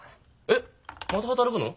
えっまた働くの？